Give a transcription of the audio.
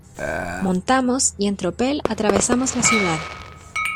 montamos, y en tropel atravesamos la ciudad.